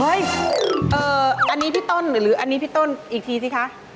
เดี๋ยวก่อนนะอันนี้พี่ต้นหรืออันนี้พี่ต้นอีกทีสิคะ